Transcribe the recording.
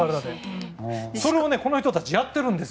それをこの人たちやってるんです。